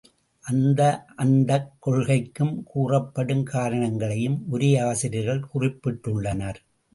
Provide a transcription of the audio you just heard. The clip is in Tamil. அந்த அந்தக் கொள்கைக்குக் கூறப்படும் காரணங்களையும் உரையாசிரியர்கள் குறிப்பிட்டுள்ளனர்.